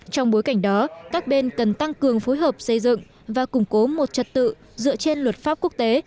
trong bối cảnh đó các bên cần tăng cường phối hợp xây dựng và củng cố một trật tự dựa trên luật pháp quốc tế